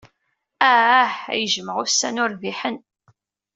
Ah, ay jjmeɣ ussan urbiḥen!